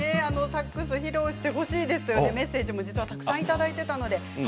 サックスを披露してほしいというメッセージ、たくさんいただいていたんです。